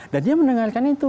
dan dia mendengarkan itu